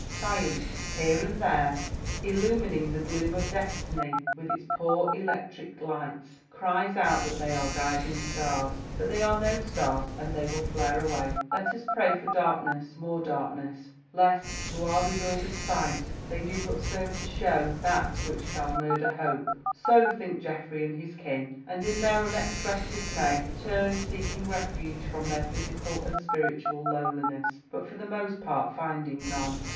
Science, here and there illumining the gloom of destiny with its poor electric lights, cries out that they are guiding stars. But they are no stars, and they will flare away. Let us pray for darkness, more darkness, lest, to our bewildered sight, they do but serve to show that which shall murder Hope. So think Geoffrey and his kin, and in their unexpressed dismay, turn, seeking refuge from their physical and spiritual loneliness, but for the most part finding none.